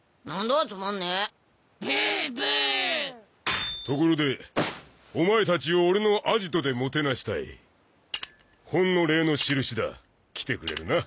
だァつまんねえブーブーところでお前たちを俺のアジトでもてなしたいほんの礼の印だ来てくれるな？